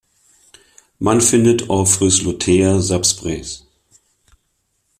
Man findet "Ophrys lutea" subsp.